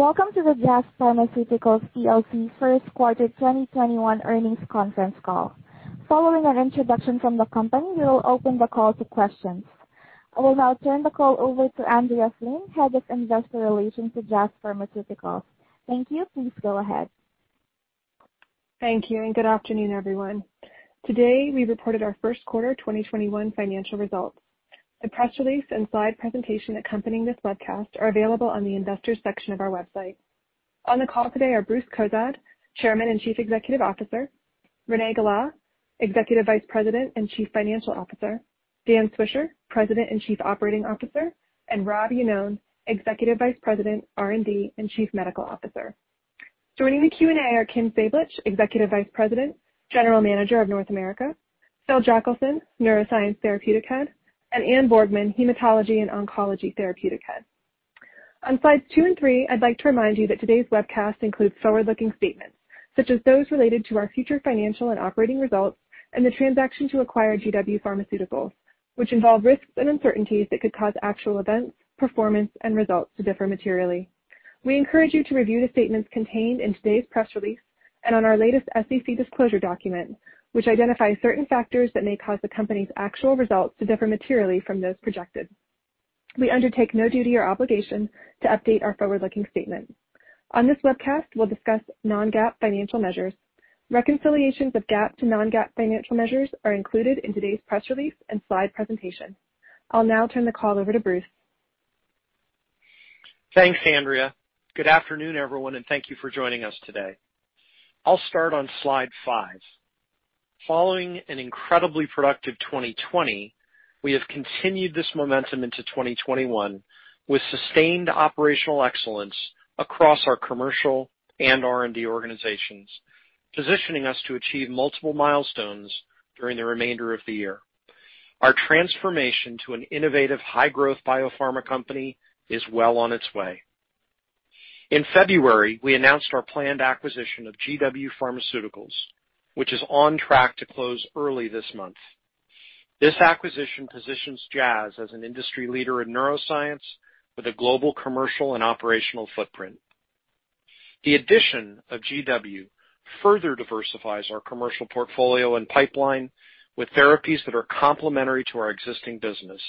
Welcome to the Jazz Pharmaceuticals PLC first quarter 2021 earnings conference call. Following an introduction from the company, we will open the call to questions. I will now turn the call over to Andrea Flynn, Head of Investor Relations at Jazz Pharmaceuticals. Thank you. Please go ahead. Thank you. Good afternoon, everyone. Today, we reported our first quarter 2021 financial results. The press release and slide presentation accompanying this webcast are available on the investors section of our website. On the call today are Bruce Cozadd, Chairman and Chief Executive Officer, Renee Gala, Executive Vice President and Chief Financial Officer, Dan Swisher, President and Chief Operating Officer, and Rob Iannone, Executive Vice President, R&D, and Chief Medical Officer. Joining the Q&A are Kim Sablich, Executive Vice President, General Manager of North America, Phil Jochelson, Neuroscience Therapeutic Head, and Anne Borgman, Hematology and Oncology Therapeutic Head. On slides two and three, I'd like to remind you that today's webcast includes forward-looking statements, such as those related to our future financial and operating results and the transaction to acquire GW Pharmaceuticals, which involve risks and uncertainties that could cause actual events, performance, and results to differ materially. We encourage you to review the statements contained in today's press release and on our latest SEC disclosure document, which identifies certain factors that may cause the company's actual results to differ materially from those projected. We undertake no duty or obligation to update our forward-looking statements. On this webcast, we'll discuss non-GAAP financial measures. Reconciliations of GAAP to non-GAAP financial measures are included in today's press release and slide presentation. I'll now turn the call over to Bruce. Thanks, Andrea. Good afternoon, everyone, thank you for joining us today. I'll start on slide five. Following an incredibly productive 2020, we have continued this momentum into 2021 with sustained operational excellence across our commercial and R&D organizations, positioning us to achieve multiple milestones during the remainder of the year. Our transformation to an innovative high-growth biopharma company is well on its way. In February, we announced our planned acquisition of GW Pharmaceuticals, which is on track to close early this month. This acquisition positions Jazz as an industry leader in neuroscience with a global commercial and operational footprint. The addition of GW further diversifies our commercial portfolio and pipeline with therapies that are complementary to our existing business.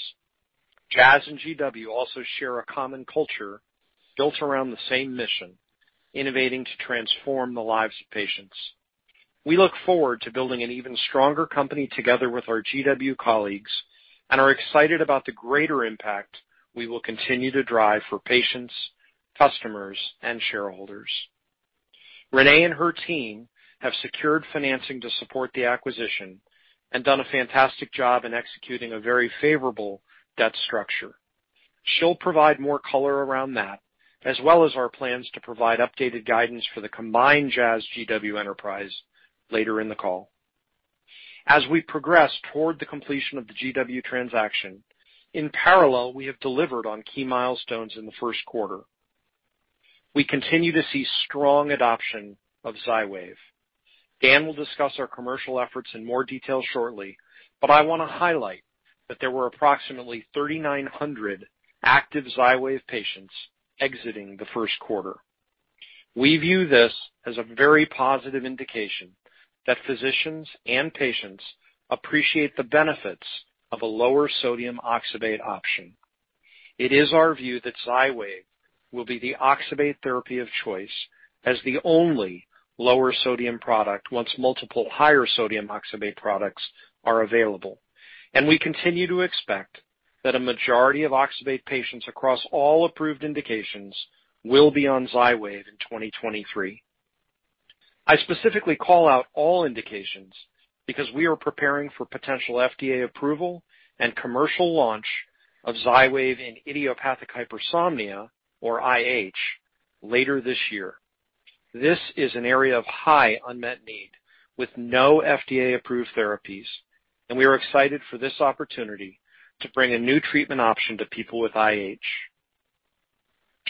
Jazz and GW also share a common culture built around the same mission, innovating to transform the lives of patients. We look forward to building an even stronger company together with our GW colleagues and are excited about the greater impact we will continue to drive for patients, customers, and shareholders. Renee and her team have secured financing to support the acquisition and done a fantastic job in executing a very favorable debt structure. She'll provide more color around that, as well as our plans to provide updated guidance for the combined Jazz/GW enterprise later in the call. As we progress toward the completion of the GW transaction, in parallel, we have delivered on key milestones in the first quarter. We continue to see strong adoption of XYWAV. Dan will discuss our commercial efforts in more detail shortly. I want to highlight that there were approximately 3,900 active XYWAV patients exiting the first quarter. We view this as a very positive indication that physicians and patients appreciate the benefits of a lower sodium oxybate option. It is our view that XYWAV will be the oxybate therapy of choice as the only lower sodium product once multiple higher sodium oxybate products are available. We continue to expect that a majority of oxybate patients across all approved indications will be on XYWAV in 2023. I specifically call out all indications because we are preparing for potential FDA approval and commercial launch of XYWAV in idiopathic hypersomnia, or IH, later this year. This is an area of high unmet need with no FDA-approved therapies, and we are excited for this opportunity to bring a new treatment option to people with IH.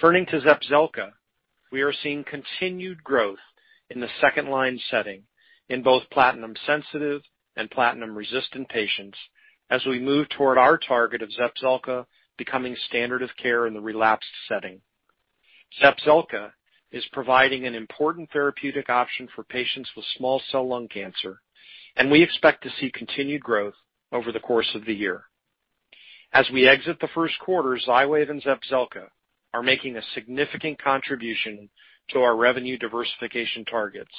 Turning to ZEPZELCA, we are seeing continued growth in the second-line setting in both platinum-sensitive and platinum-resistant patients as we move toward our target of ZEPZELCA becoming standard of care in the relapsed setting. ZEPZELCA is providing an important therapeutic option for patients with small cell lung cancer, and we expect to see continued growth over the course of the year. As we exit the first quarter, XYWAV and ZEPZELCA are making a significant contribution to our revenue diversification targets,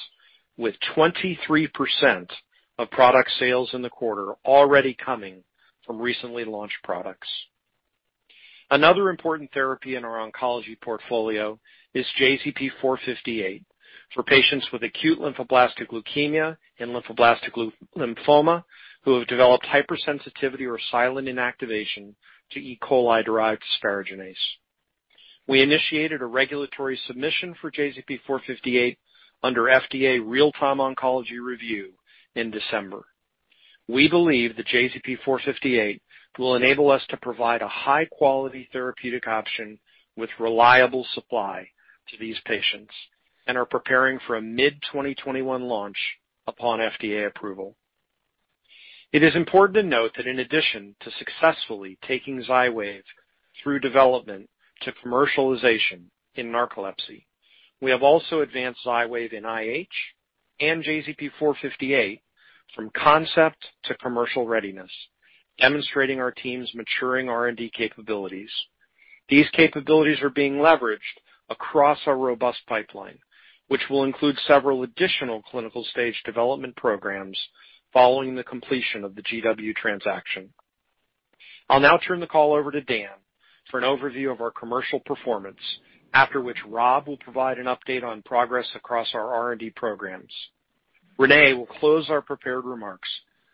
with 23% of product sales in the quarter already coming from recently launched products. Another important therapy in our oncology portfolio is JZP458 for patients with acute lymphoblastic leukemia and lymphoblastic lymphoma who have developed hypersensitivity or silent inactivation to E. coli-derived asparaginase. We initiated a regulatory submission for JZP458 under FDA Real-Time Oncology Review in December. We believe that JZP458 will enable us to provide a high-quality therapeutic option with reliable supply to these patients and are preparing for a mid-2021 launch upon FDA approval. It is important to note that in addition to successfully taking XYWAV through development to commercialization in narcolepsy, we have also advanced XYWAV in IH and JZP458 from concept to commercial readiness, demonstrating our team's maturing R&D capabilities. These capabilities are being leveraged across our robust pipeline, which will include several additional clinical stage development programs following the completion of the GW transaction. I'll now turn the call over to Dan for an overview of our commercial performance, after which Rob will provide an update on progress across our R&D programs. Renee will close our prepared remarks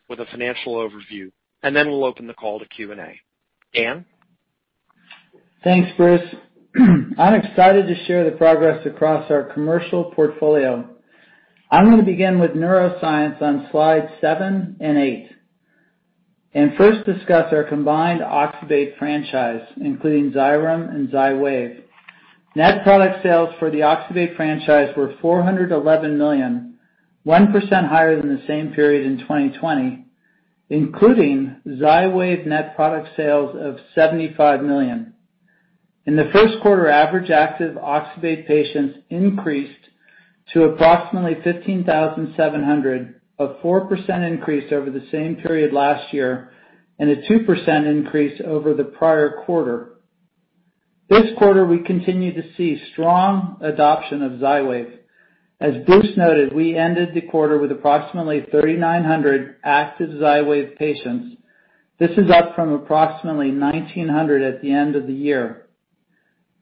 with a financial overview, and then we'll open the call to Q&A. Dan? Thanks, Bruce. I'm excited to share the progress across our commercial portfolio. I'm going to begin with neuroscience on slide seven and eight, and first discuss our combined oxybate franchise, including Xyrem and XYWAV. Net product sales for the oxybate franchise were $411 million, 1% higher than the same period in 2020, including XYWAV net product sales of $75 million. In the first quarter, average active oxybate patients increased to approximately 15,700, a 4% increase over the same period last year, and a 2% increase over the prior quarter. This quarter, we continue to see strong adoption of XYWAV. As Bruce noted, we ended the quarter with approximately 3,900 active XYWAV patients. This is up from approximately 1,900 at the end of the year.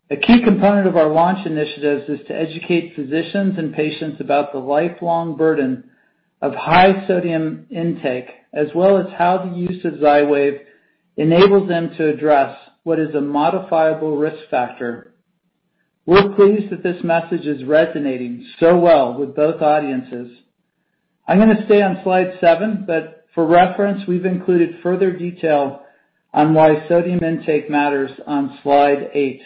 A key component of our launch initiatives is to educate physicians and patients about the lifelong burden of high sodium intake, as well as how the use of XYWAV enables them to address what is a modifiable risk factor. We're pleased that this message is resonating so well with both audiences. I'm going to stay on slide seven, but for reference, we've included further detail on why sodium intake matters on slide eight.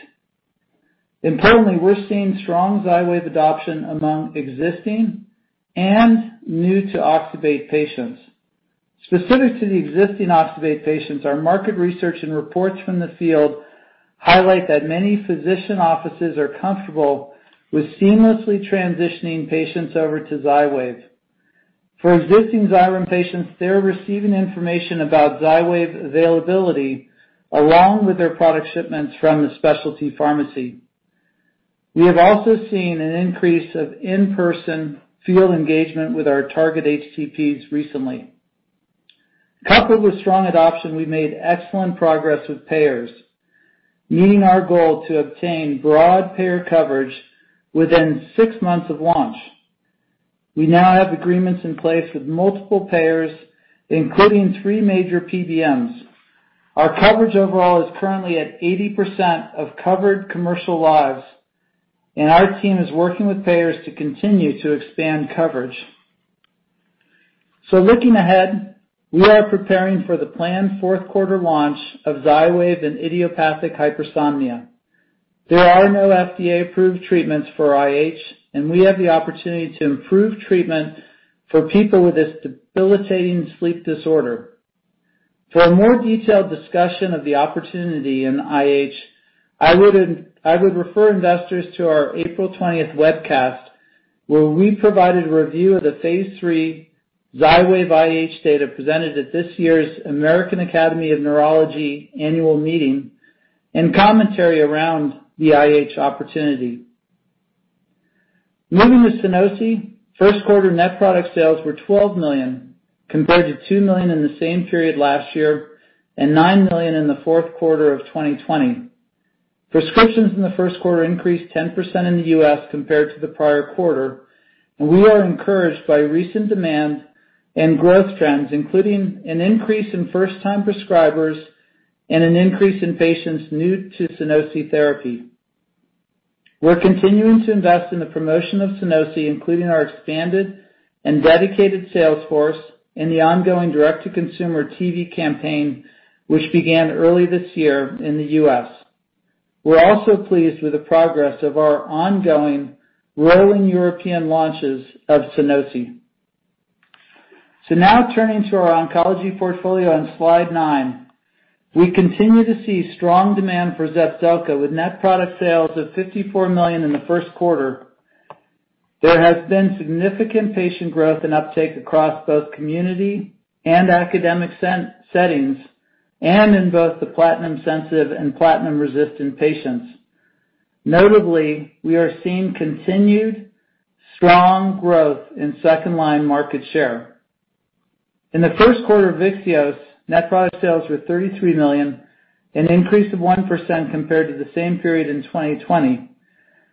Importantly, we're seeing strong XYWAV adoption among existing and new to oxybate patients. Specific to the existing oxybate patients, our market research and reports from the field highlight that many physician offices are comfortable with seamlessly transitioning patients over to XYWAV. For existing Xyrem patients, they're receiving information about XYWAV availability along with their product shipments from the specialty pharmacy. We have also seen an increase of in-person field engagement with our target HCPs recently. Coupled with strong adoption, we made excellent progress with payers, meeting our goal to obtain broad payer coverage within six months of launch. We now have agreements in place with multiple payers, including three major PBMs. Our coverage overall is currently at 80% of covered commercial lives. Our team is working with payers to continue to expand coverage. Looking ahead, we are preparing for the planned fourth quarter launch of XYWAV and idiopathic hypersomnia. There are no FDA-approved treatments for IH. We have the opportunity to improve treatment for people with this debilitating sleep disorder. For a more detailed discussion of the opportunity in IH, I would refer investors to our April 20th webcast, where we provided a review of the phase III XYWAV IH data presented at this year's American Academy of Neurology annual meeting and commentary around the IH opportunity. Moving to SUNOSI, first quarter net product sales were $12 million compared to $2 million in the same period last year and $9 million in the fourth quarter of 2020. Prescriptions in the first quarter increased 10% in the U.S. compared to the prior quarter, and we are encouraged by recent demand and growth trends, including an increase in first-time prescribers and an increase in patients new to SUNOSI therapy. We're continuing to invest in the promotion of SUNOSI, including our expanded and dedicated sales force and the ongoing direct-to-consumer TV campaign, which began early this year in the U.S. We're also pleased with the progress of our ongoing rolling European launches of SUNOSI. Now turning to our oncology portfolio on slide nine. We continue to see strong demand for ZEPZELCA with net product sales of $54 million in the first quarter. There has been significant patient growth and uptake across both community and academic settings, and in both the platinum-sensitive and platinum-resistant patients. Notably, we are seeing continued strong growth in second-line market share. In the first quarter of VYXEOS, net product sales were $33 million, an increase of 1% compared to the same period in 2020.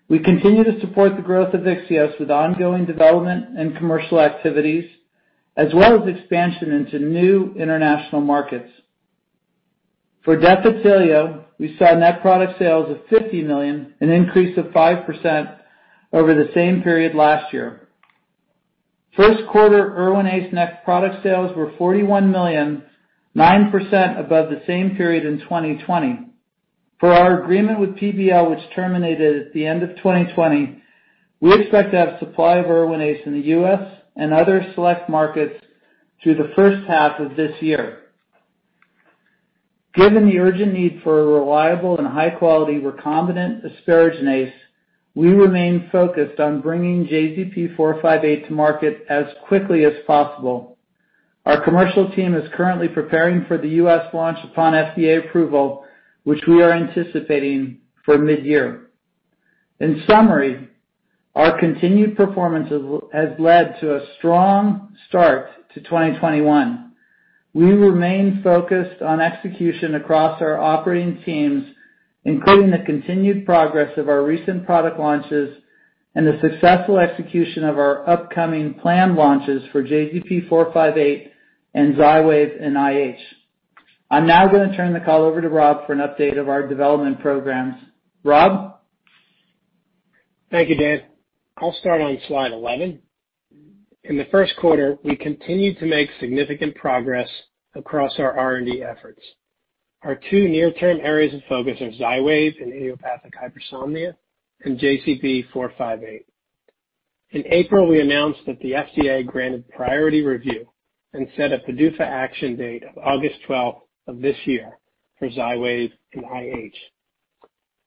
We continue to support the growth of VYXEOS with ongoing development and commercial activities, as well as expansion into new international markets. For Defitelio, we saw net product sales of $50 million, an increase of 5% over the same period last year. First quarter Erwinaze net product sales were $41 million, 9% above the same period in 2020. For our agreement with PBL, which terminated at the end of 2020, we expect to have supply of Erwinaze in the U.S. and other select markets through the first half of this year. Given the urgent need for a reliable and high-quality recombinant asparaginase, we remain focused on bringing JZP458 to market as quickly as possible. Our commercial team is currently preparing for the U.S. launch upon FDA approval, which we are anticipating for mid-year. In summary, our continued performance has led to a strong start to 2021. We remain focused on execution across our operating teams, including the continued progress of our recent product launches and the successful execution of our upcoming planned launches for JZP458 and XYWAV in IH. I'm now going to turn the call over to Rob for an update of our development programs. Rob? Thank you, Dan. I'll start on slide 11. In the first quarter, we continued to make significant progress across our R&D efforts. Our two near-term areas of focus are XYWAV in idiopathic hypersomnia and JZP458. In April, we announced that the FDA granted priority review and set a PDUFA action date of August 12th of this year for XYWAV in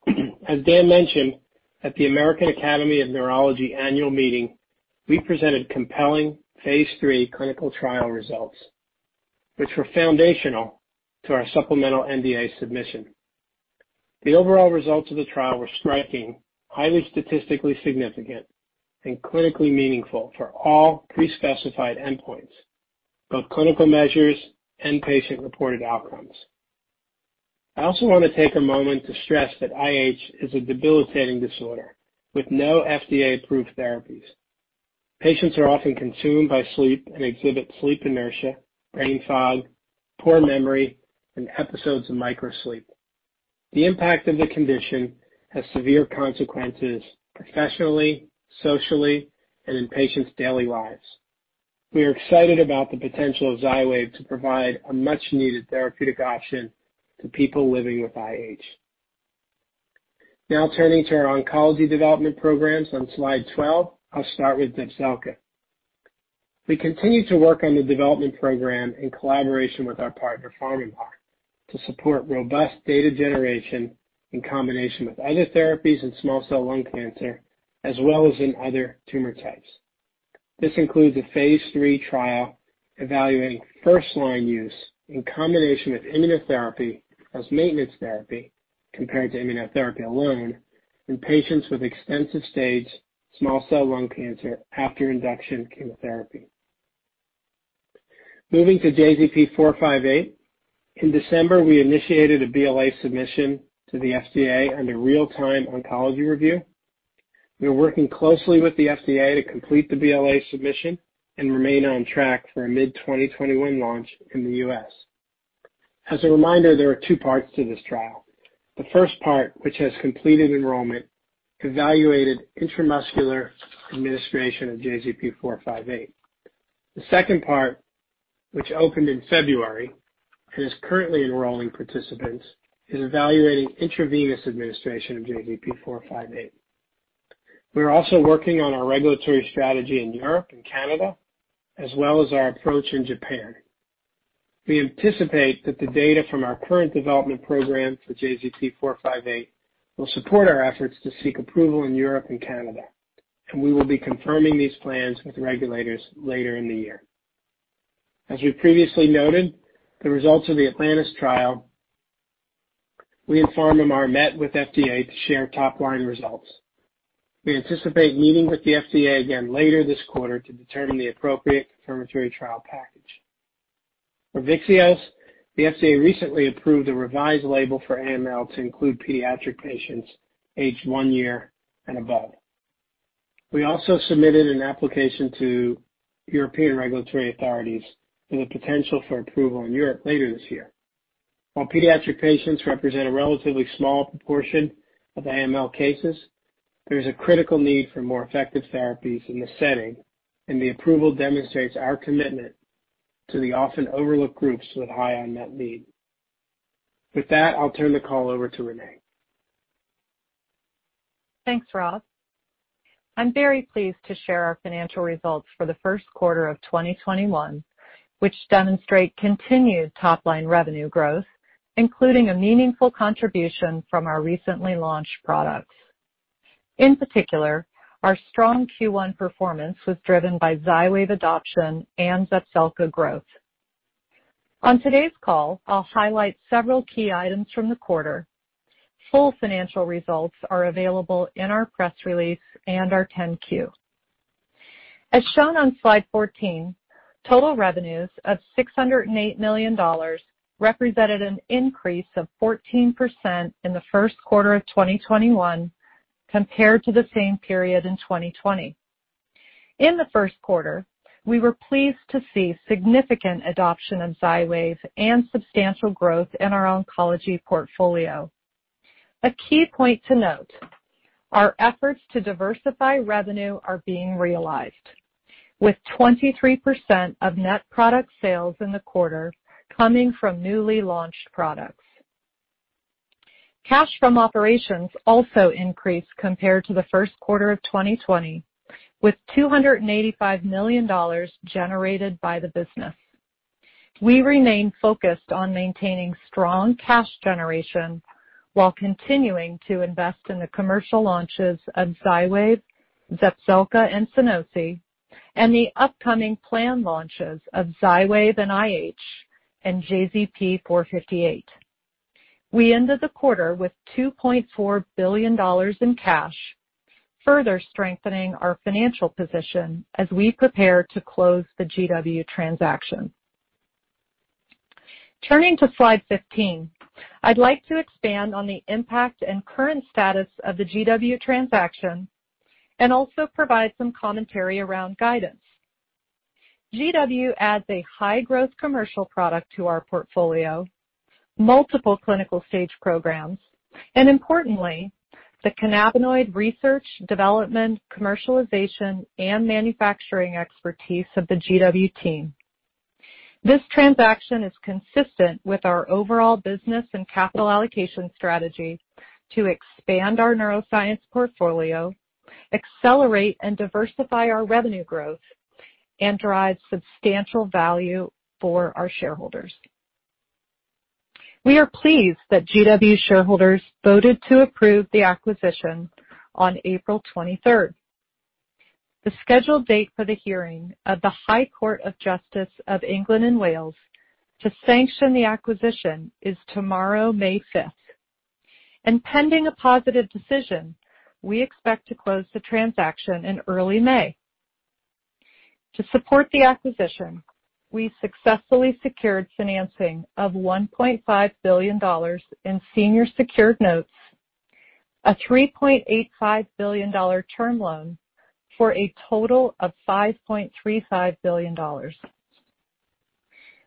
IH. As Dan mentioned, at the American Academy of Neurology Annual Meeting, we presented compelling phase III clinical trial results, which were foundational to our supplemental NDA submission. The overall results of the trial were striking, highly statistically significant, and clinically meaningful for all pre-specified endpoints, both clinical measures and patient-reported outcomes. I also want to take a moment to stress that IH is a debilitating disorder with no FDA-approved therapies. Patients are often consumed by sleep and exhibit sleep inertia, brain fog, poor memory, and episodes of microsleep. The impact of the condition has severe consequences professionally, socially, and in patients' daily lives. We are excited about the potential of XYWAV to provide a much-needed therapeutic option to people living with IH. Turning to our oncology development programs on slide 12. I'll start with ZEPZELCA. We continue to work on the development program in collaboration with our partner, PharmaMar, to support robust data generation in combination with other therapies in small cell lung cancer, as well as in other tumor types. This includes a phase III trial evaluating first-line use in combination with immunotherapy as maintenance therapy, compared to immunotherapy alone in patients with extensive stage small cell lung cancer after induction chemotherapy. Moving to JZP458, in December, we initiated a BLA submission to the FDA under Real-Time Oncology Review. We are working closely with the FDA to complete the BLA submission and remain on track for a mid-2021 launch in the U.S. As a reminder, there are two parts to this trial. The first part, which has completed enrollment, evaluated intramuscular administration of JZP458. The second part, which opened in February and is currently enrolling participants, is evaluating intravenous administration of JZP458. We are also working on our regulatory strategy in Europe and Canada, as well as our approach in Japan. We anticipate that the data from our current development program for JZP458 will support our efforts to seek approval in Europe and Canada. We will be confirming these plans with regulators later in the year. As we previously noted, the results of the ATLANTIS trial, and PharmaMar met with FDA to share top-line results. We anticipate meeting with the FDA again later this quarter to determine the appropriate confirmatory trial package. For VYXEOS, the FDA recently approved a revised label for AML to include pediatric patients aged one year and above. We also submitted an application to European regulatory authorities for the potential for approval in Europe later this year. While pediatric patients represent a relatively small proportion of AML cases, there is a critical need for more effective therapies in this setting, and the approval demonstrates our commitment to the often overlooked groups with high unmet need. With that, I'll turn the call over to Renee. Thanks, Rob. I'm very pleased to share our financial results for the first quarter of 2021, which demonstrate continued top-line revenue growth, including a meaningful contribution from our recently launched products. In particular, our strong Q1 performance was driven by XYWAV adoption and ZEPZELCA growth. On today's call, I'll highlight several key items from the quarter. Full financial results are available in our press release and our 10-Q. As shown on slide 14, total revenues of $608 million represented an increase of 14% in the first quarter of 2021 compared to the same period in 2020. In the first quarter, we were pleased to see significant adoption of XYWAV and substantial growth in our oncology portfolio. A key point to note. Our efforts to diversify revenue are being realized, with 23% of net product sales in the quarter coming from newly launched products. Cash from operations also increased compared to the first quarter of 2020, with $285 million generated by the business. We remain focused on maintaining strong cash generation while continuing to invest in the commercial launches of XYWAV, ZEPZELCA, and SUNOSI, and the upcoming planned launches of XYWAV and IH, and JZP458. We ended the quarter with $2.4 billion in cash, further strengthening our financial position as we prepare to close the GW transaction. Turning to slide 15, I'd like to expand on the impact and current status of the GW transaction and also provide some commentary around guidance. GW adds a high-growth commercial product to our portfolio, multiple clinical stage programs, and importantly, the cannabinoid research, development, commercialization, and manufacturing expertise of the GW team. This transaction is consistent with our overall business and capital allocation strategy to expand our neuroscience portfolio, accelerate and diversify our revenue growth, and drive substantial value for our shareholders. We are pleased that GW shareholders voted to approve the acquisition on April 23rd. The scheduled date for the hearing of the High Court of Justice of England and Wales to sanction the acquisition is tomorrow, May 5th. Pending a positive decision, we expect to close the transaction in early May. To support the acquisition, we successfully secured financing of $1.5 billion in senior secured notes, a $3.85 billion term loan for a total of $5.35 billion.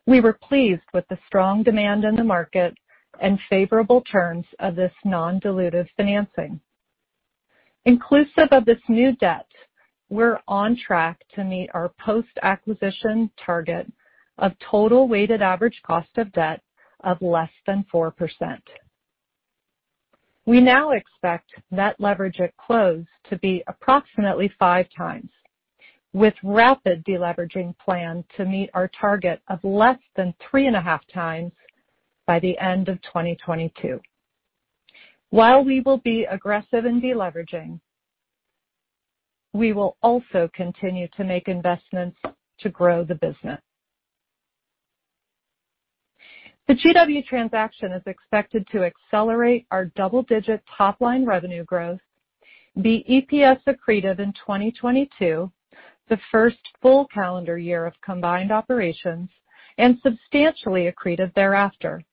We were pleased with the strong demand in the market and favorable terms of this non-dilutive financing. Inclusive of this new debt, we're on track to meet our post-acquisition target of total weighted average cost of debt of less than 4%. We now expect net leverage at close to be approximately 5x, with rapid deleveraging plan to meet our target of less than 3.5x By the end of 2022. While we will be aggressive in deleveraging, we will also continue to make investments to grow the business. The GW transaction is expected to accelerate our double-digit top-line revenue growth, be EPS accretive in 2022, the first full calendar year of combined operations, and substantially accretive thereafter.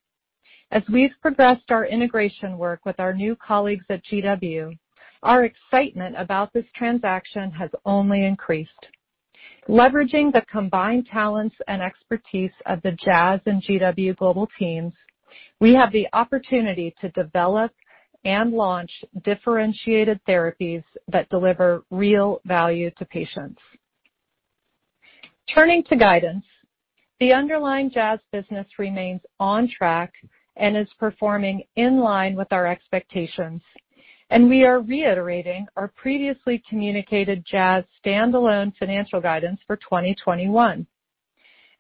As we've progressed our integration work with our new colleagues at GW, our excitement about this transaction has only increased. Leveraging the combined talents and expertise of the Jazz and GW global teams, we have the opportunity to develop and launch differentiated therapies that deliver real value to patients. Turning to guidance, the underlying Jazz business remains on track and is performing in line with our expectations. We are reiterating our previously communicated Jazz standalone financial guidance for 2021.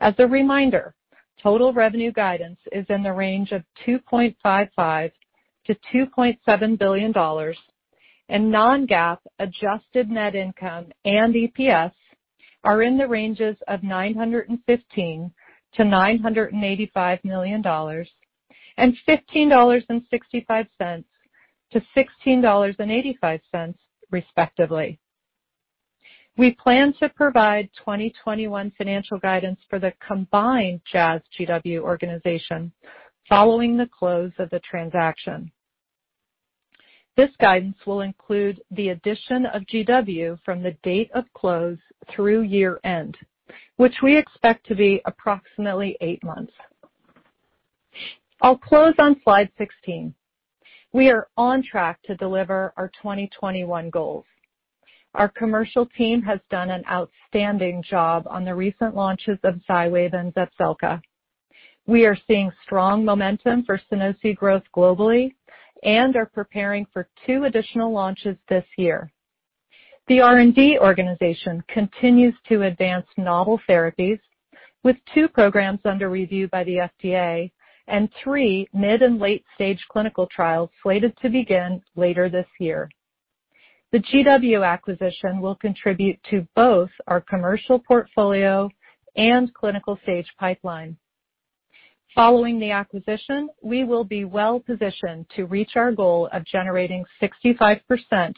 As a reminder, total revenue guidance is in the range of $2.55 billion-$2.7 billion, and non-GAAP adjusted net income and EPS are in the ranges of $915 million-$985 million, and $15.65-$16.85, respectively. We plan to provide 2021 financial guidance for the combined Jazz-GW organization following the close of the transaction. This guidance will include the addition of GW from the date of close through year-end, which we expect to be approximately eight months. I'll close on slide 16. We are on track to deliver our 2021 goals. Our commercial team has done an outstanding job on the recent launches of XYWAV and ZEPZELCA. We are seeing strong momentum for SUNOSI growth globally and are preparing for two additional launches this year. The R&D organization continues to advance novel therapies with two programs under review by the FDA and three mid- and late-stage clinical trials slated to begin later this year. The GW acquisition will contribute to both our commercial portfolio and clinical stage pipeline. Following the acquisition, we will be well positioned to reach our goal of generating 65%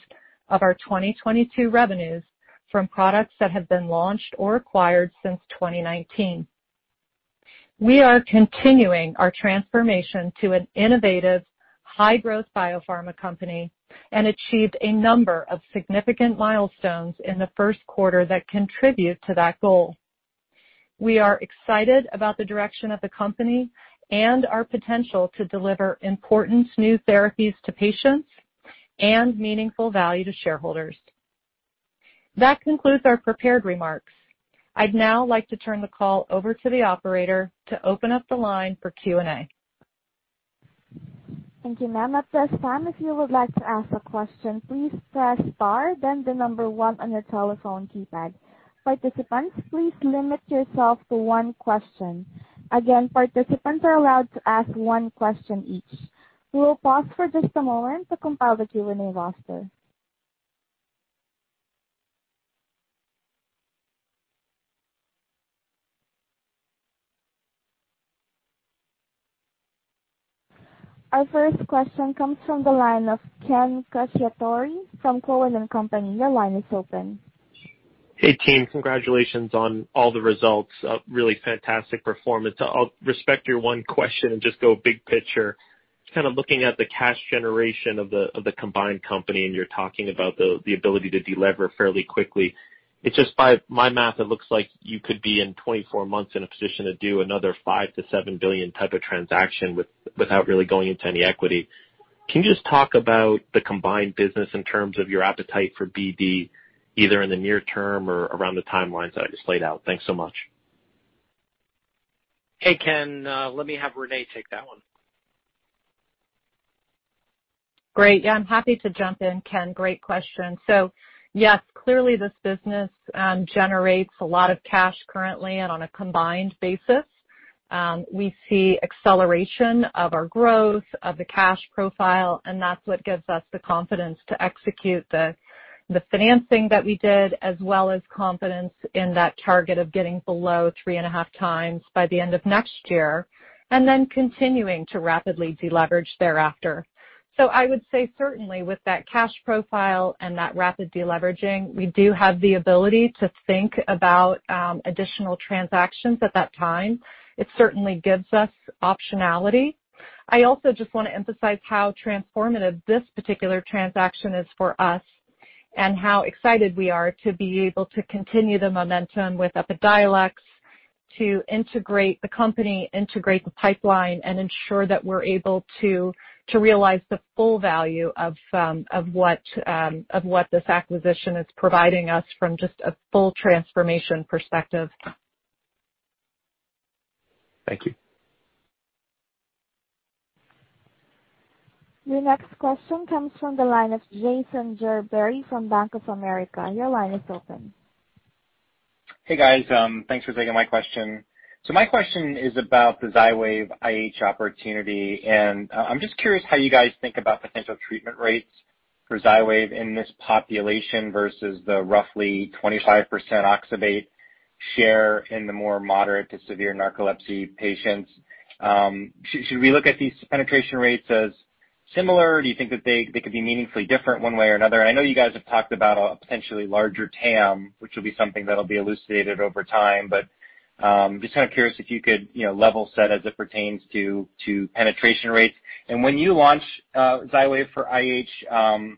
of our 2022 revenues from products that have been launched or acquired since 2019. We are continuing our transformation to an innovative, high-growth biopharma company and achieved a number of significant milestones in the first quarter that contribute to that goal. We are excited about the direction of the company and our potential to deliver important new therapies to patients and meaningful value to shareholders. That concludes our prepared remarks. I'd now like to turn the call over to the operator to open up the line for Q&A. Thank you, ma'am. At this time, if you would like to ask a question, please press star then the number one on your telephone keypad. Participants, please limit yourself to one question. Again, participants are allowed to ask one question each. We will pause for just a moment to compile the Q&A roster. Our first question comes from the line of Ken Cacciatore from Cowen and Company. Your line is open. Hey, team. Congratulations on all the results, a really fantastic performance. I'll respect your one question and just go big picture. Kind of looking at the cash generation of the combined company, and you're talking about the ability to delever fairly quickly. It's just by my math, it looks like you could be in 24 months in a position to do another $5 billion-$7 billion type of transaction without really going into any equity. Can you just talk about the combined business in terms of your appetite for BD, either in the near term or around the timelines that I just laid out? Thanks so much. Hey, Ken. Let me have Renee take that one. Great. Yeah, I'm happy to jump in, Ken. Great question. Yes, clearly this business generates a lot of cash currently and on a combined basis. We see acceleration of our growth of the cash profile, and that's what gives us the confidence to execute the financing that we did, as well as confidence in that target of getting below 3.5x By the end of next year, and then continuing to rapidly deleverage thereafter. I would say certainly with that cash profile and that rapid deleveraging, we do have the ability to think about additional transactions at that time. It certainly gives us optionality. I also just want to emphasize how transformative this particular transaction is for us and how excited we are to be able to continue the momentum with EPIDIOLEX to integrate the company, integrate the pipeline, and ensure that we're able to realize the full value of what this acquisition is providing us from just a full transformation perspective. Thank you. Your next question comes from the line of Jason Gerberry from Bank of America. Your line is open. Hey, guys. Thanks for taking my question. My question is about the XYWAV IH opportunity, and I'm just curious how you guys think about potential treatment rates for XYWAV in this population versus the roughly 25% oxybate share in the more moderate to severe narcolepsy patients. Should we look at these penetration rates as similar? Do you think that they could be meaningfully different one way or another? I know you guys have talked about a potentially larger TAM, which will be something that'll be elucidated over time. Just kind of curious if you could level set as it pertains to penetration rates. When you launch XYWAV for IH,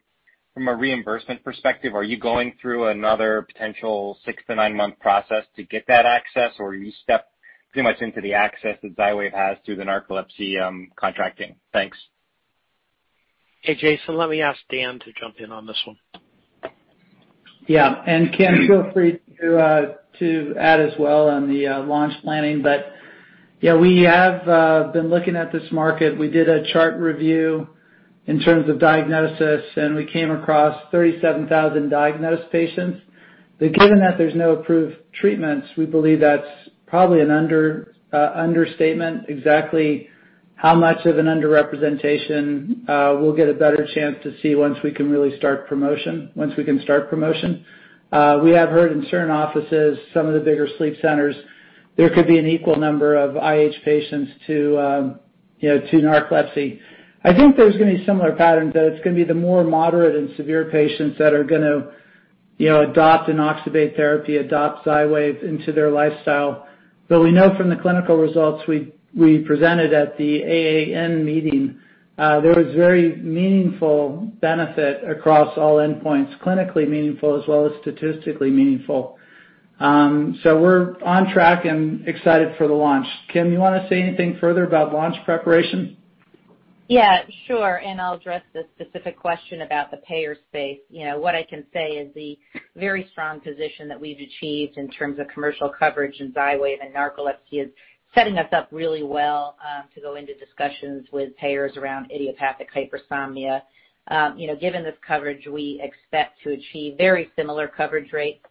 from a reimbursement perspective, are you going through another potential six, nine month process to get that access, or you step pretty much into the access that XYWAV has through the narcolepsy contracting? Thanks. Hey, Jason. Let me ask Dan to jump in on this one. Yeah. Ken, feel free to add as well on the launch planning. Yeah, we have been looking at this market. We did a chart review in terms of diagnosis, and we came across 37,000 diagnosed patients. Given that there's no approved treatments, we believe that's probably an understatement. Exactly how much of an underrepresentation we'll get a better chance to see once we can start promotion. We have heard in certain offices, some of the bigger sleep centers, there could be an equal number of IH patients to narcolepsy. I think there's going to be similar patterns, though. It's going to be the more moderate and severe patients that are going to adopt an oxybate therapy, adopt XYWAV into their lifestyle. We know from the clinical results we presented at the AAN meeting, there was very meaningful benefit across all endpoints, clinically meaningful as well as statistically meaningful. We're on track and excited for the launch. Kim you want to say anything further about launch preparation? Yeah, sure. I'll address the specific question about the payer space. What I can say is the very strong position that we've achieved in terms of commercial coverage in XYWAV and narcolepsy is setting us up really well to go into discussions with payers around idiopathic hypersomnia. Given this coverage, we expect to achieve very similar coverage rates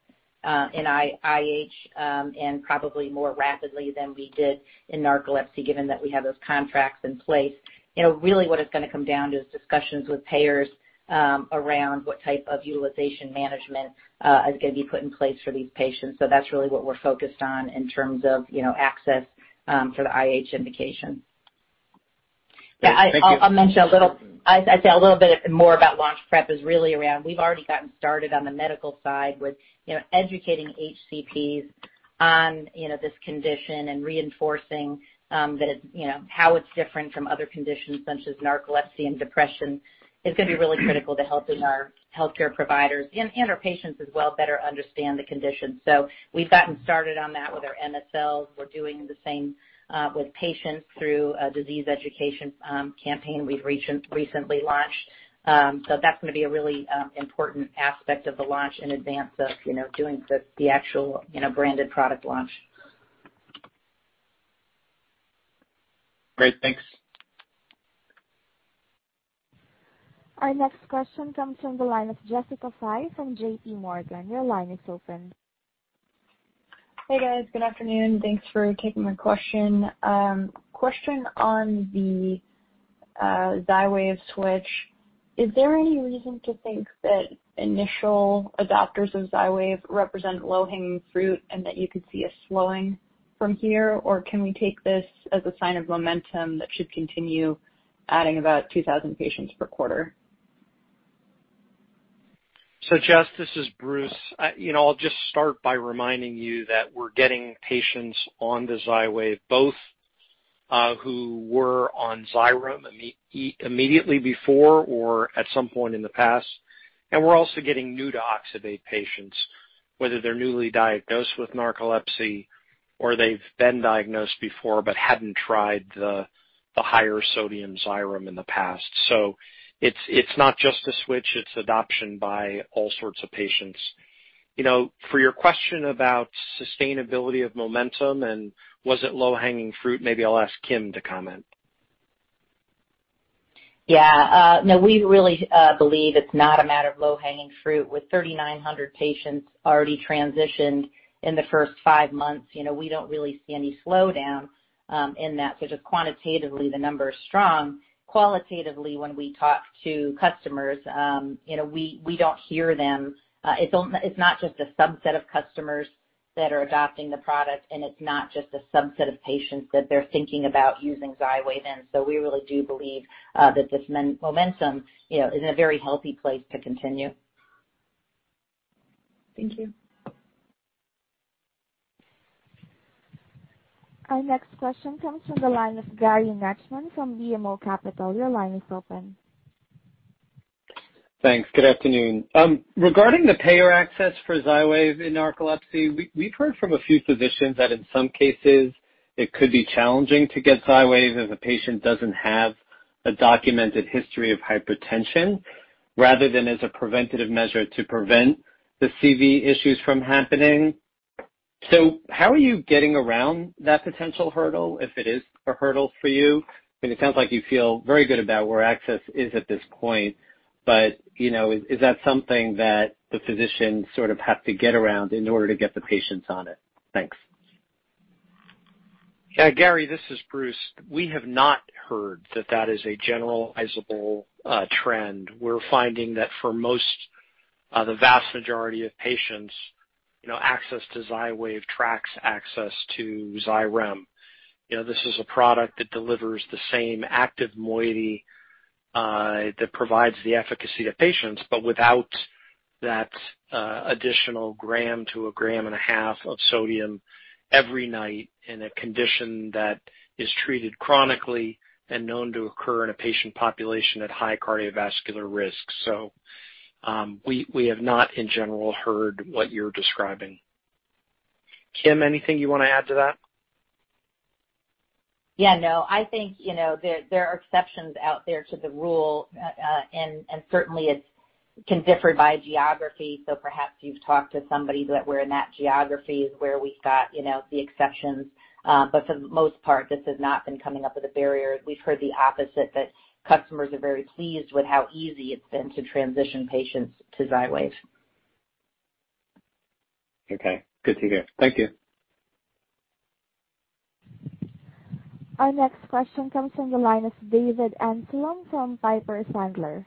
in IH and probably more rapidly than we did in narcolepsy, given that we have those contracts in place. Really what it's going to come down to is discussions with payers around what type of utilization management is going to be put in place for these patients. That's really what we're focused on in terms of access for the IH indication. Thank you. I'll mention a little bit more about launch prep is really around we've already gotten started on the medical side with educating HCPs on this condition and reinforcing how it's different from other conditions such as narcolepsy and depression, is going to be really critical to helping our healthcare providers and our patients as well better understand the condition. We've gotten started on that with our MSLs. We're doing the same with patients through a disease education campaign we've recently launched. That's going to be a really important aspect of the launch in advance of doing the actual branded product launch. Great. Thanks. Our next question comes from the line of Jessica Fye from JPMorgan. Your line is open. Hey, guys. Good afternoon. Thanks for taking my question. Question on the XYWAV switch. Is there any reason to think that initial adopters of XYWAV represent low-hanging fruit and that you could see a slowing from here? Or can we take this as a sign of momentum that should continue adding about 2,000 patients per quarter? Jess, this is Bruce. I'll just start by reminding you that we're getting patients on the XYWAV, both who were on Xyrem immediately before or at some point in the past. We're also getting new to oxybate patients, whether they're newly diagnosed with narcolepsy or they've been diagnosed before but hadn't tried the higher sodium Xyrem in the past. It's not just a switch, it's adoption by all sorts of patients. For your question about sustainability of momentum and was it low-hanging fruit, maybe I'll ask Kim to comment. No, we really believe it's not a matter of low-hanging fruit with 3,900 patients already transitioned in the first five months. We don't really see any slowdown in that. Just quantitatively, the number is strong. Qualitatively, when we talk to customers, we don't hear them. It's not just a subset of customers that are adopting the product, and it's not just a subset of patients that they're thinking about using XYWAV. We really do believe that this momentum is in a very healthy place to continue. Thank you. Our next question comes from the line of Gary Nachman from BMO Capital. Your line is open. Thanks. Good afternoon. Regarding the payer access for XYWAV in narcolepsy, we've heard from a few physicians that in some cases, it could be challenging to get XYWAV if a patient doesn't have a documented history of hypertension, rather than as a preventative measure to prevent the CV issues from happening. How are you getting around that potential hurdle, if it is a hurdle for you? It sounds like you feel very good about where access is at this point, but is that something that the physicians sort of have to get around in order to get the patients on it? Thanks. Yeah, Gary, this is Bruce. We have not heard that that is a generalizable trend. We're finding that for most, the vast majority of patients, access to XYWAV tracks access to Xyrem. This is a product that delivers the same active moiety that provides the efficacy to patients, but without that additional gram to a gram and a half of sodium every night in a condition that is treated chronically and known to occur in a patient population at high cardiovascular risk. We have not in general heard what you're describing. Kim, anything you want to add to that? Yeah, no. I think there are exceptions out there to the rule, and certainly it can differ by geography. Perhaps you've talked to somebody that were in that geography is where we've got the exceptions. For the most part, this has not been coming up with a barrier. We've heard the opposite, that customers are very pleased with how easy it's been to transition patients to XYWAV. Okay. Good to hear. Thank you. Our next question comes from the line of David Amsellem from Piper Sandler.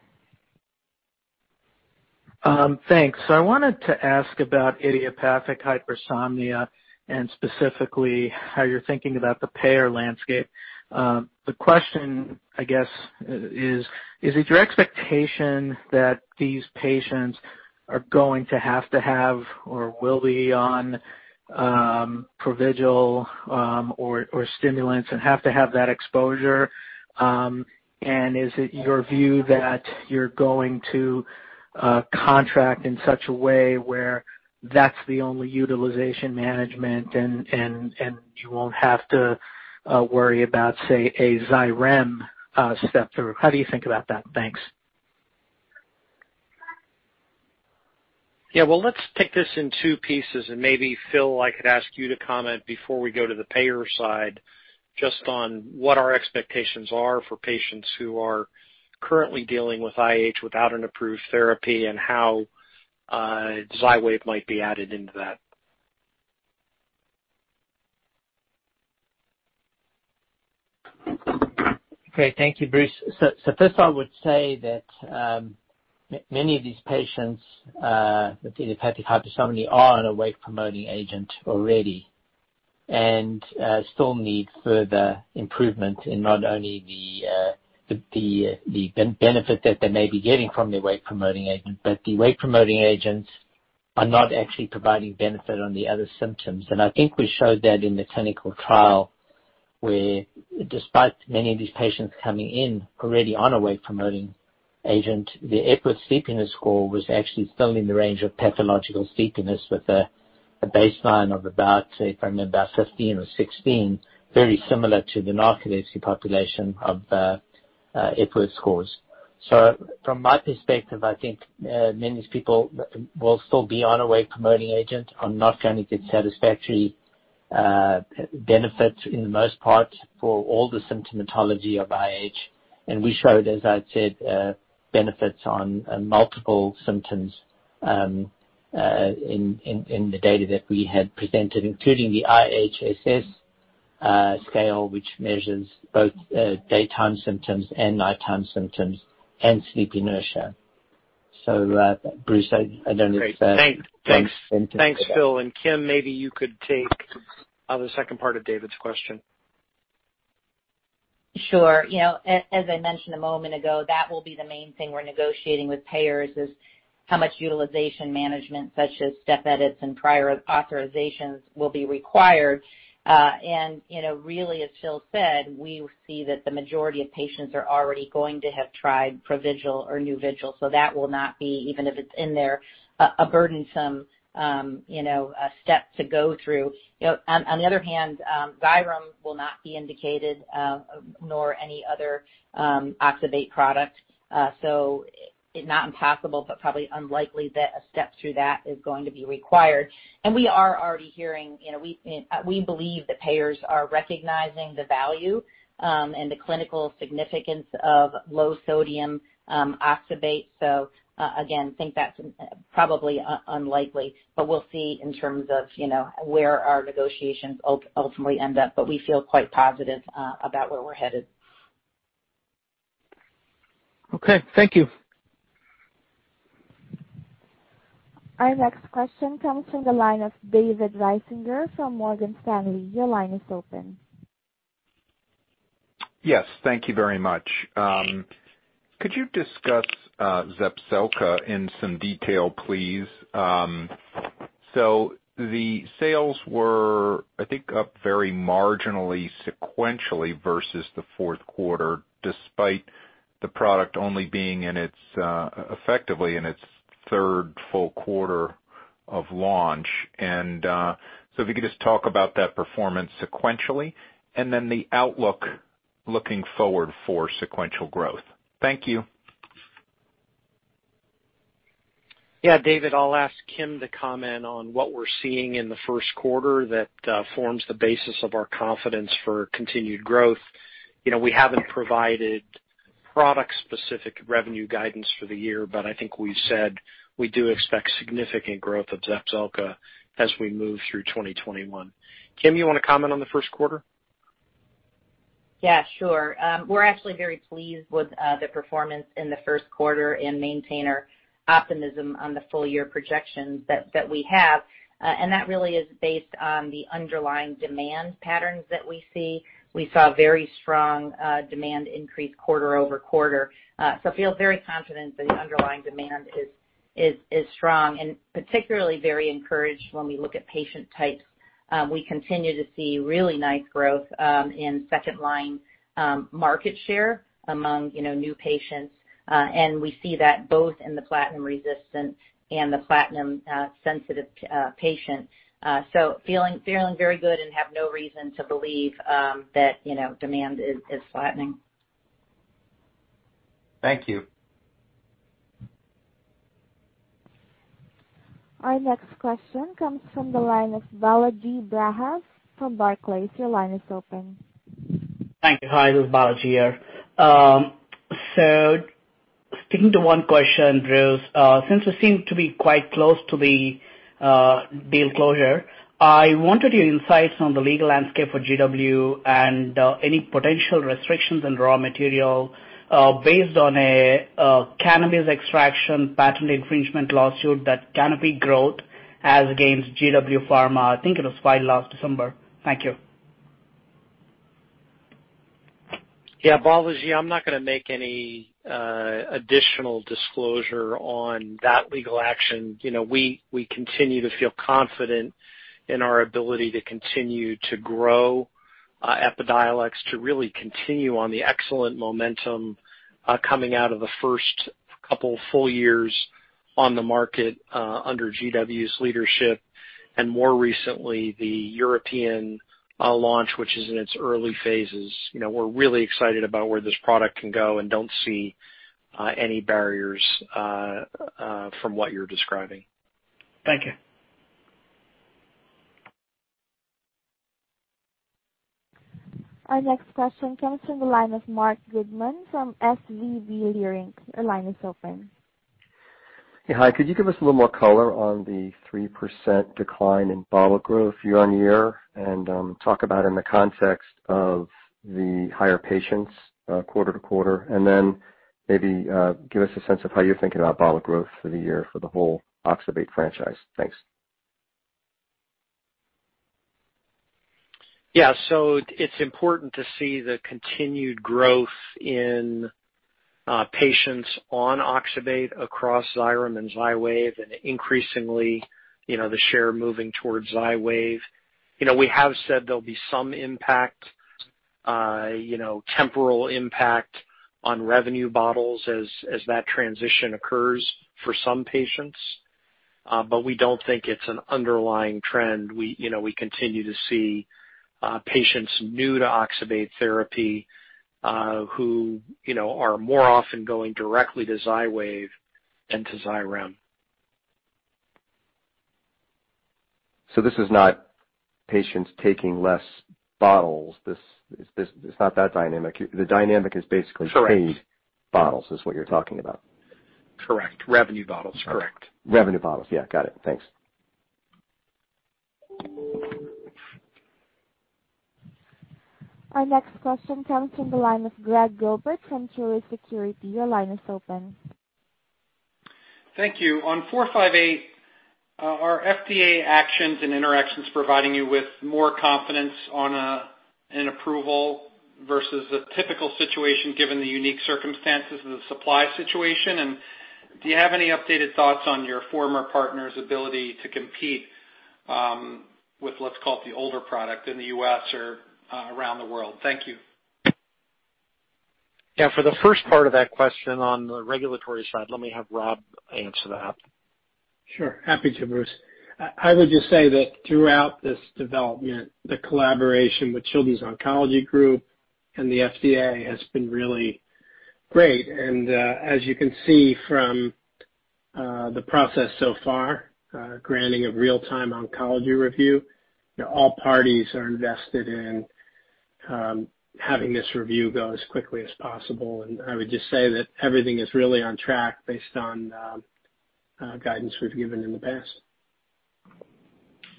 Thanks. I wanted to ask about idiopathic hypersomnia, and specifically how you're thinking about the payer landscape. The question, I guess, is it your expectation that these patients are going to have to have or will be on Provigil or stimulants and have to have that exposure? Is it your view that you're going to contract in such a way where that's the only utilization management and you won't have to worry about, say, a Xyrem step through. How do you think about that? Thanks. Yeah. Well, let's take this in two pieces and maybe Phil, I could ask you to comment before we go to the payer side, just on what our expectations are for patients who are currently dealing with IH without an approved therapy and how XYWAV might be added into that. Okay. Thank you, Bruce. First I would say that many of these patients with idiopathic hypersomnia are on a wake-promoting agent already. Still need further improvement in not only the benefit that they may be getting from their wake-promoting agent, but the wake-promoting agents are not actually providing benefit on the other symptoms. I think we showed that in the clinical trial where despite many of these patients coming in already on a wake-promoting agent, the Epworth sleepiness score was actually still in the range of pathological sleepiness with a baseline of about, if I remember, 15 or 16, very similar to the narcolepsy population of Epworth scores. From my perspective, I think many of these people will still be on a wake-promoting agent, are not going to get satisfactory benefits in the most part for all the symptomatology of IH. We showed, as I said, benefits on multiple symptoms in the data that we had presented, including the IHSS scale, which measures both daytime symptoms and nighttime symptoms and sleep inertia. Bruce, I don't know if that? Great. Thanks, Phil. Kim, maybe you could take the second part of David's question. Sure. As I mentioned a moment ago, that will be the main thing we're negotiating with payers is how much utilization management, such as step edits and prior authorizations, will be required. Really, as Phil said, we see that the majority of patients are already going to have tried Provigil or Nuvigil, so that will not be, even if it's in there, a burdensome step to go through. On the other hand, Xyrem will not be indicated nor any other oxybate product. Not impossible, but probably unlikely that a step through that is going to be required. We are already hearing, we believe that payers are recognizing the value and the clinical significance of low sodium oxybate. Again, think that's probably unlikely, but we'll see in terms of where our negotiations ultimately end up. We feel quite positive about where we're headed. Okay. Thank you. Our next question comes from the line of David Risinger from Morgan Stanley. Your line is open. Yes. Thank you very much. Could you discuss ZEPZELCA in some detail, please? The sales were, I think, up very marginally sequentially versus the fourth quarter, despite the product only being effectively in its third full quarter of launch. If you could just talk about that performance sequentially and then the outlook looking forward for sequential growth. Thank you. Yeah. David, I'll ask Kim to comment on what we're seeing in the first quarter that forms the basis of our confidence for continued growth. We haven't provided product-specific revenue guidance for the year, but I think we've said we do expect significant growth of ZEPZELCA as we move through 2021. Kim, you want to comment on the first quarter? Sure. We're actually very pleased with the performance in the first quarter and maintain our optimism on the full year projections that we have. That really is based on the underlying demand patterns that we see. We saw very strong demand increase quarter-over-quarter. Feel very confident that underlying demand is strong and particularly very encouraged when we look at patient types. We continue to see really nice growth in second-line market share among new patients. We see that both in the platinum resistant and the platinum sensitive patients. Feeling very good and have no reason to believe that demand is flattening. Thank you. Our next question comes from the line of Balaji Prasad from Barclays. Your line is open. Thank you. Hi, this is Balaji here. Sticking to one question, Bruce. Since we seem to be quite close to the deal closure, I wanted your insights on the legal landscape for GW and any potential restrictions in raw material based on a cannabis extraction patent infringement lawsuit that Canopy Growth has against GW Pharma. I think it was filed last December. Thank you. Balaji, I'm not going to make any additional disclosure on that legal action. We continue to feel confident in our ability to continue to grow EPIDIOLEX, to really continue on the excellent momentum coming out of the first couple full years on the market under GW's leadership and more recently, the European launch, which is in its early phases. We're really excited about where this product can go and don't see any barriers from what you're describing. Thank you. Our next question comes from the line of Marc Goodman from SVB Leerink. Your line is open. Yeah. Hi, could you give us a little more color on the 3% decline in bottle growth year-over-year and talk about in the context of the higher patients quarter-over-quarter? Maybe give us a sense of how you're thinking about bottle growth for the year for the whole oxybate franchise. Thanks. It's important to see the continued growth in patients on oxybate across Xyrem and XYWAV, and increasingly, the share moving towards XYWAV. We have said there'll be some temporal impact on revenue bottles as that transition occurs for some patients. We don't think it's an underlying trend. We continue to see patients new to oxybate therapy, who are more often going directly to XYWAV than to Xyrem. This is not patients taking less bottles. It's not that dynamic- Correct. ...paid bottles, is what you're talking about. Correct. Revenue models. Correct. Revenue bottles. Yeah. Got it. Thanks. Our next question comes from the line of Gregg Gilbert from Truist Securities. Your line is open. Thank you. On JZP458, are FDA actions and interactions providing you with more confidence on an approval versus a typical situation, given the unique circumstances of the supply situation? Do you have any updated thoughts on your former partner's ability to compete with, let's call it, the older product in the U.S. or around the world? Thank you. Yeah. For the first part of that question on the regulatory side, let me have Rob answer that. Sure. Happy to, Bruce. I would just say that throughout this development, the collaboration with Children's Oncology Group and the FDA has been really great. As you can see from the process so far, granting a Real-Time Oncology Review, all parties are invested in having this review go as quickly as possible. I would just say that everything is really on track based on guidance we've given in the past.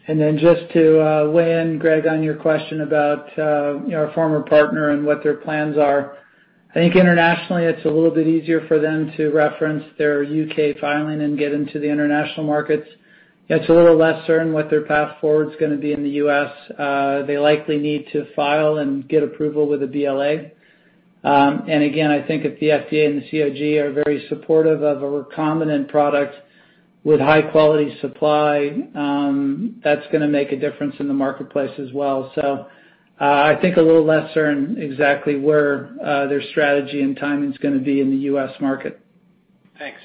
Just to weigh in, Gregg, on your question about our former partner and what their plans are. I think internationally it's a little bit easier for them to reference their U.K. filing and get into the international markets. It's a little less certain what their path forward is going to be in the U.S. They likely need to file and get approval with a BLA. I think if the FDA and the COG are very supportive of a recombinant product with high-quality supply, that's going to make a difference in the marketplace as well. I think a little less certain exactly where their strategy and timing is going to be in the U.S. market. Thanks.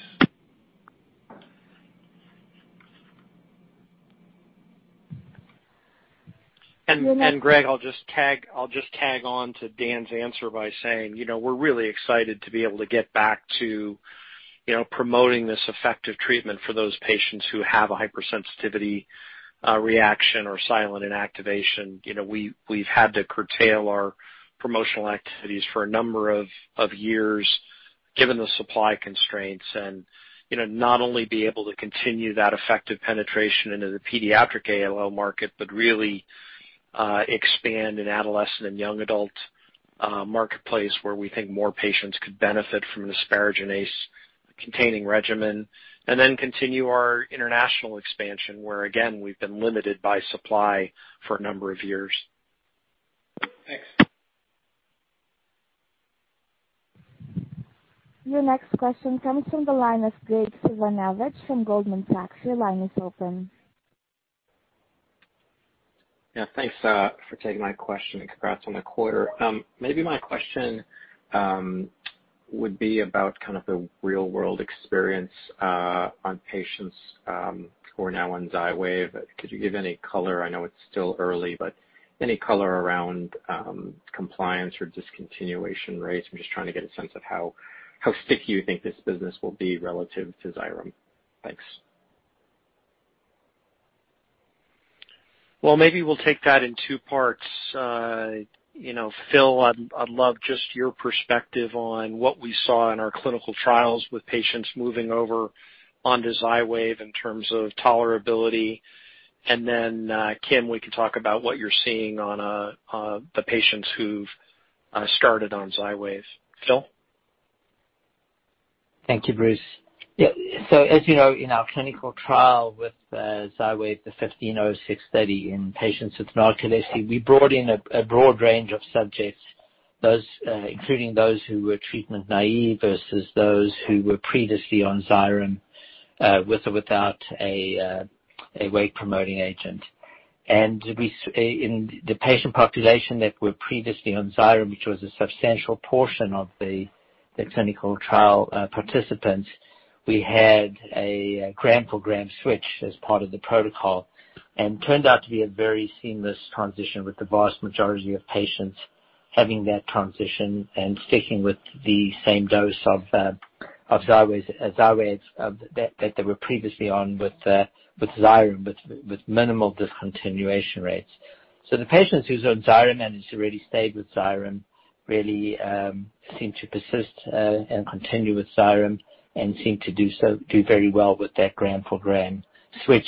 Gregg, I'll just tag on to Dan's answer by saying, we're really excited to be able to get back to promoting this effective treatment for those patients who have a hypersensitivity reaction or silent inactivation. We've had to curtail our promotional activities for a number of years, given the supply constraints and, not only be able to continue that effective penetration into the pediatric ALL market, but really expand in adolescent and young adult marketplace, where we think more patients could benefit from an asparaginase-containing regimen. Then continue our international expansion, where again, we've been limited by supply for a number of years. Thanks. Your next question comes from the line of Graig Suvannavejh from Goldman Sachs. Your line is open. Yeah. Thanks for taking my question and congrats on the quarter. Maybe my question would be about kind of the real-world experience on patients who are now on XYWAV. Could you give any color, I know it's still early, but any color around compliance or discontinuation rates? I'm just trying to get a sense of how sticky you think this business will be relative to Xyrem. Thanks. Well, maybe we'll take that in two parts. Phil, I'd love just your perspective on what we saw in our clinical trials with patients moving over onto XYWAV in terms of tolerability. Kim, we can talk about what you're seeing on the patients who've started on XYWAV. Phil? Thank you, Bruce. Yeah. As you know, in our clinical trial with XYWAV, the 1506 study in patients with narcolepsy, we brought in a broad range of subjects, including those who were treatment naive versus those who were previously on Xyrem, with or without a wake-promoting agent. In the patient population that were previously on Xyrem, which was a substantial portion of the clinical trial participants, we had a gram for gram switch as part of the protocol. Turned out to be a very seamless transition with the vast majority of patients having that transition and sticking with the same dose of XYWAV that they were previously on with Xyrem, with minimal discontinuation rates. The patients who's on Xyrem and has already stayed with Xyrem really seem to persist and continue with Xyrem, and seem to do very well with that gram for gram switch.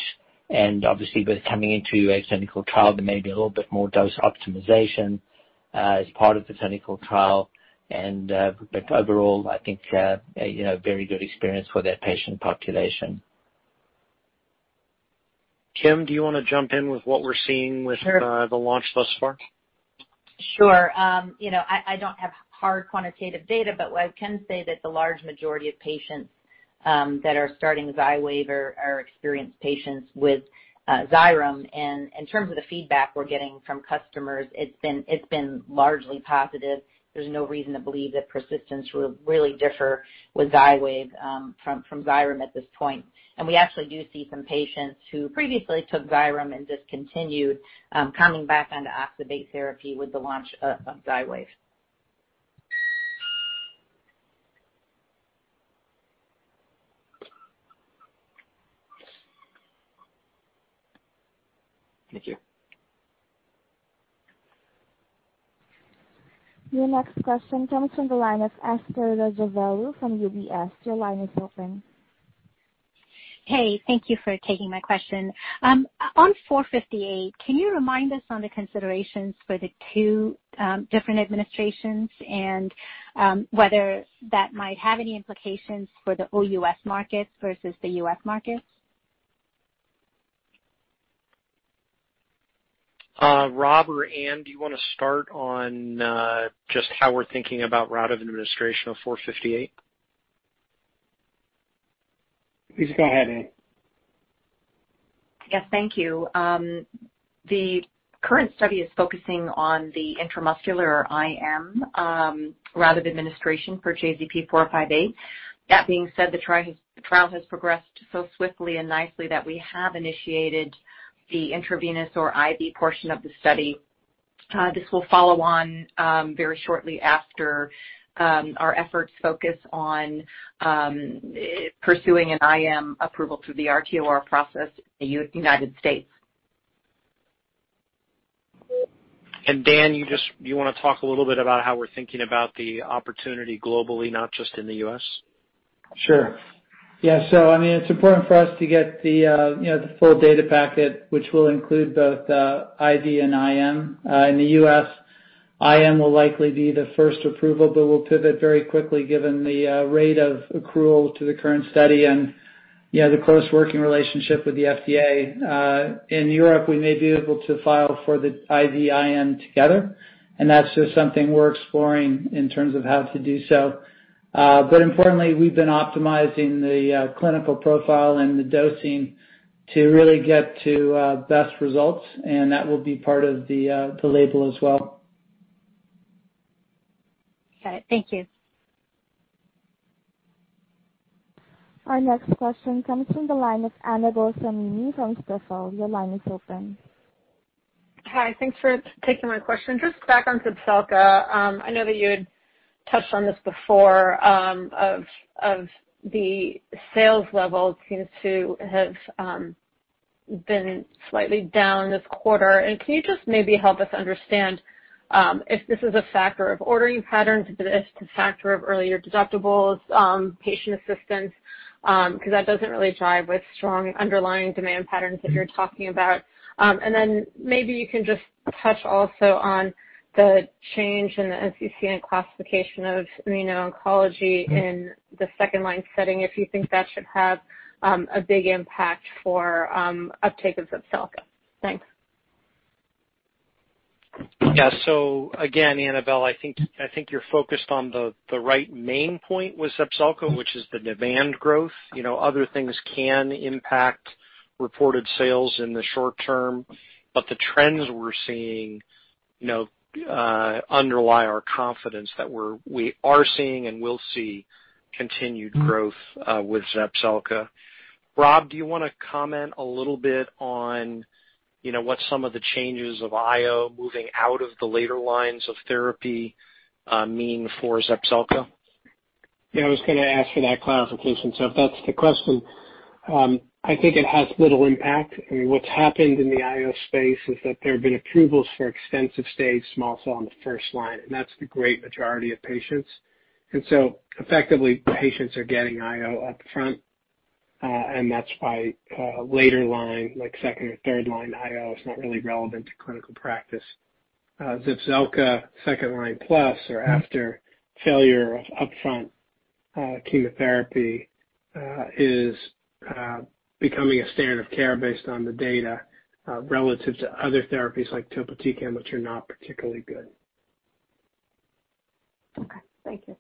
Obviously, with coming into a clinical trial, there may be a little bit more dose optimization as part of the clinical trial. Overall, I think a very good experience for that patient population. Kim, do you want to jump in with what we're seeing- Sure. ...the launch thus far? Sure. I don't have hard quantitative data, but what I can say that the large majority of patients that are starting XYWAV are experienced patients with Xyrem. In terms of the feedback we're getting from customers, it's been largely positive. There's no reason to believe that persistence will really differ with XYWAV from Xyrem at this point. We actually do see some patients who previously took Xyrem and discontinued, coming back onto oxybate therapy with the launch of XYWAV. Thank you. Your next question comes from the line of Esther Rajavelu from UBS. Your line is open. Hey, thank you for taking my question. On JZP458, can you remind us on the considerations for the two different administrations and whether that might have any implications for the OUS markets versus the U.S. markets? Rob or Anne, do you want to start on just how we're thinking about route of administration of JZP458? Please go ahead, Anne. Yes, thank you. The current study is focusing on the intramuscular IM, route of administration for JZP458. That being said, the trial has progressed so swiftly and nicely that we have initiated the intravenous or IV portion of the study. This will follow on very shortly after our efforts focus on pursuing an IM approval through the RTOR process in United States. Dan, you want to talk a little bit about how we're thinking about the opportunity globally, not just in the U.S.? Sure. Yeah. It's important for us to get the full data packet, which will include both IV and IM. In the U.S., IM will likely be the first approval, but we'll pivot very quickly given the rate of accrual to the current study and the close working relationship with the FDA. In Europe, we may be able to file for the IV IM together, and that's just something we're exploring in terms of how to do so. Importantly, we've been optimizing the clinical profile and the dosing to really get to best results, and that will be part of the label as well. Okay, thank you. Our next question comes from the line of Annabel Samimy from Stifel. Your line is open. Hi, thanks for taking my question. Just back on ZEPZELCA. I know that you had touched on this before, of the sales level seems to have been slightly down this quarter. Can you just maybe help us understand if this is a factor of ordering patterns, if it is a factor of earlier deductibles, patient assistance, because that doesn't really jive with strong underlying demand patterns that you're talking about. Maybe you can just touch also on the change in the NCCN classification of immuno-oncology in the second line setting, if you think that should have a big impact for uptake of ZEPZELCA. Thanks. Yeah. Again, Annabel, I think you're focused on the right main point with ZEPZELCA, which is the demand growth. Other things can impact reported sales in the short term, but the trends we're seeing underlie our confidence that we are seeing and will see continued growth with ZEPZELCA. Rob, do you want to comment a little bit on what some of the changes of IO moving out of the later lines of therapy mean for ZEPZELCA? Yeah, I was going to ask for that clarification. If that's the question, I think it has little impact. What's happened in the IO space is that there have been approvals for extensive stage small cell on the 1st line, and that's the great majority of patients. Effectively, patients are getting IO up front, and that's why later line, like second or third line IO, is not really relevant to clinical practice. ZEPZELCA second line plus or after failure of upfront chemotherapy, is becoming a standard of care based on the data relative to other therapies like topotecan, which are not particularly good. Okay. Thank you.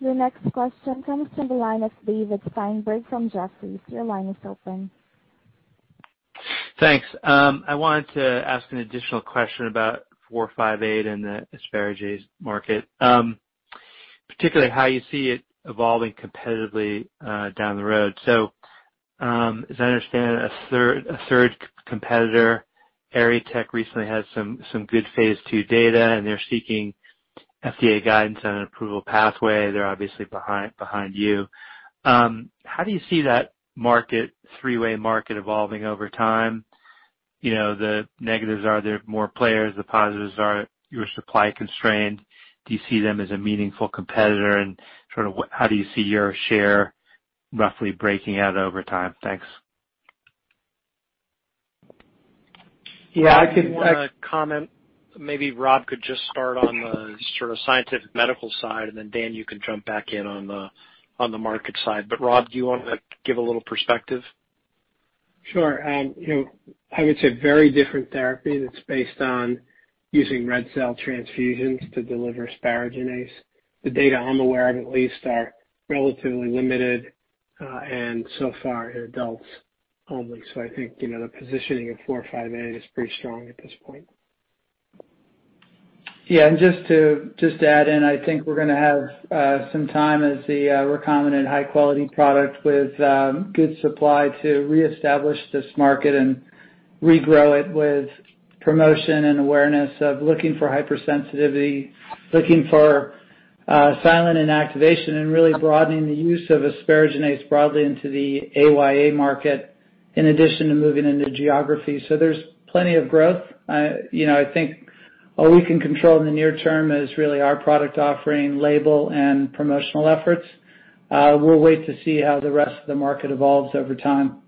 Your next question comes from the line of David Steinberg from Jefferies. Your line is open. Thanks. I wanted to ask an additional question about JZP458 and the asparaginase market, particularly how you see it evolving competitively down the road. As I understand, a third competitor, Erytech, recently had some good phase II data, and they're seeking FDA guidance on an approval pathway. They're obviously behind you. How do you see that three-way market evolving over time? The negatives are there are more players, the positives are you're supply constrained. Do you see them as a meaningful competitor, and how do you see your share roughly breaking out over time? Thanks. Yeah, I could- You want to comment? Maybe Rob could just start on the sort of scientific medical side, and then Dan, you can jump back in on the market side. Rob, do you want to give a little perspective? Sure. I would say very different therapy that's based on using red cell transfusions to deliver asparaginase. The data I'm aware of at least are relatively limited, and so far in adults only. I think, the positioning of JZP458 is pretty strong at this point. Yeah. Just to add in, I think we're going to have some time as the recombinant high-quality product with good supply to reestablish this market and regrow it with promotion and awareness of looking for hypersensitivity, looking for silent inactivation, and really broadening the use of asparaginase broadly into the AYA market, in addition to moving into geography. There's plenty of growth. I think all we can control in the near term is really our product offering label and promotional efforts. We'll wait to see how the rest of the market evolves over time.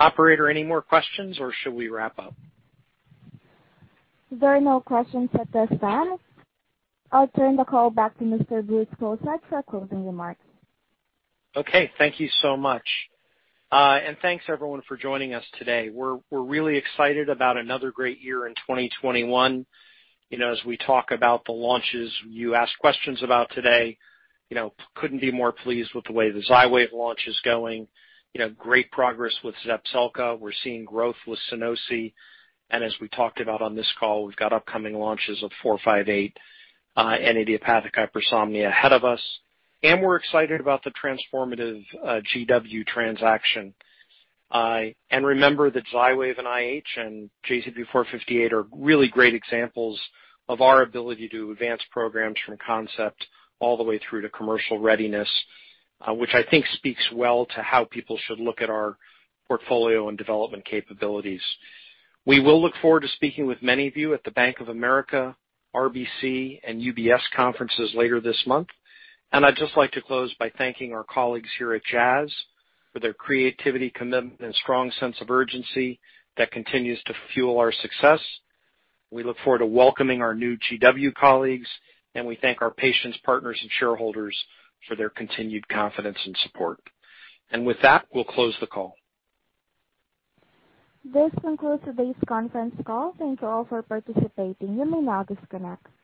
Operator, any more questions or should we wrap up? There are no questions at this time. I'll turn the call back to Mr. Bruce Cozadd for closing remarks. Okay. Thank you so much. Thanks everyone for joining us today. We're really excited about another great year in 2021. As we talk about the launches you asked questions about today, couldn't be more pleased with the way the XYWAV launch is going. Great progress with ZEPZELCA. We're seeing growth with SUNOSI. As we talked about on this call, we've got upcoming launches of JZP458 and idiopathic hypersomnia ahead of us. We're excited about the transformative GW transaction. Remember that XYWAV and IH and JZP458 are really great examples of our ability to advance programs from concept all the way through to commercial readiness, which I think speaks well to how people should look at our portfolio and development capabilities. We will look forward to speaking with many of you at the Bank of America, RBC, and UBS conferences later this month. I'd just like to close by thanking our colleagues here at Jazz for their creativity, commitment, and strong sense of urgency that continues to fuel our success. We look forward to welcoming our new GW colleagues, and we thank our patients, partners, and shareholders for their continued confidence and support. With that, we'll close the call. This concludes today's conference call. Thank you all for participating. You may now disconnect.